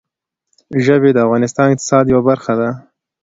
ژبې د افغانستان د اقتصاد یوه برخه ده.